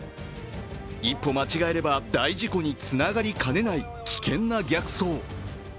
一歩間違えれば、大事故につながりかねない、危険な逆走。